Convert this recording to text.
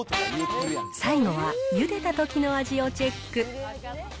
最後はゆでたときの味をチェック。